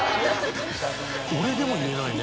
俺でも言えないね。